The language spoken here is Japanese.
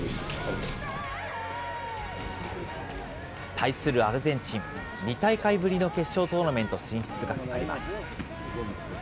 対するアルゼンチン、２大会ぶりの決勝トーナメント進出がかかります。